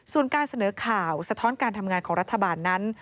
ส่วนการเสนอข่าวสะท้อนการทำงานของรัฐบาลนั้น